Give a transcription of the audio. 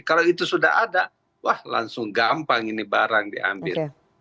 kalau itu sudah ada wah langsung gampang ini barang diambil